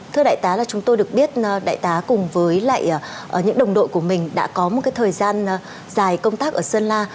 thưa đại tá là chúng tôi được biết đại tá cùng với lại những đồng đội của mình đã có một cái thời gian dài công tác ở sơn la